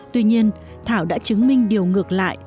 tuy nhiên thảo đã chứng minh điều ngược lại